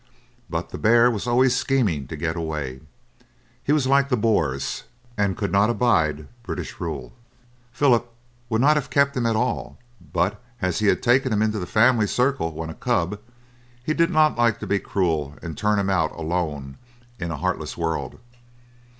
But the bear was always scheming to get away; he was like the Boers, and could not abide British rule. Philip would not have kept him at all, but as he had taken him into the family circle when a cub he did not like to be cruel and turn him out along in a heartless world.